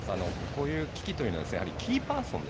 こういう危機というのはキーパーソン